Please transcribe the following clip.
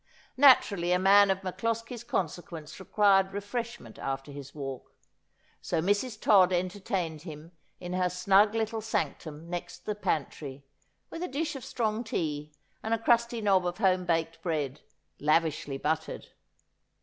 Natu rally a man of MacCloskie's consequence required refreshment after his walk ; so Mrs. Todd entertained him in her snug little sanctum next the pantry, with a dish of strong tea and a crusty knob of home baked bread, lavishly buttered.